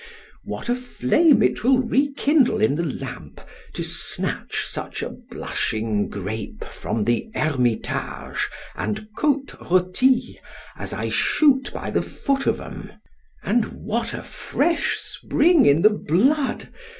_ What a flame will it rekindle in the lamp, to snatch a blushing grape from the Hermitage and Cotê roti, as I shoot by the foot of them! and what a fresh spring in the blood!